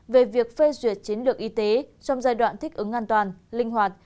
về việc phê duyệt chiến lược y tế trong giai đoạn thích ứng an toàn linh hoạt